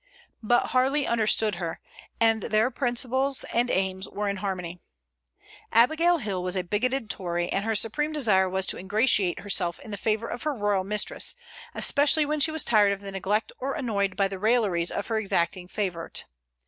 But Harley understood her, and their principles and aims were in harmony. Abigail Hill was a bigoted Tory, and her supreme desire was to ingratiate herself in the favor of her royal mistress, especially when she was tired of the neglect or annoyed by the railleries of her exacting favorite.